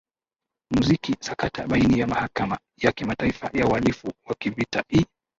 muziki sakata baini ya mahakama ya kimataifa ya ualifu wa kivita i